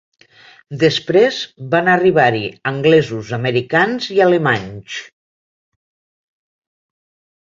Després, van arribar-hi anglesos, americans i alemanys.